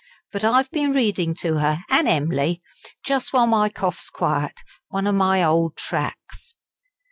But I've been reading to her, an' Emily just while my cough's quiet one of my ole tracks."